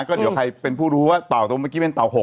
ก็เดี๋ยวใครเป็นผู้รู้ว่าเต่าตรงเมื่อกี้เป็นเต่า๖